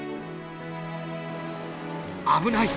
危ない！